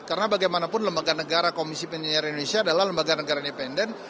karena bagaimanapun lembaga negara komisi pengenian indonesia adalah lembaga negara independen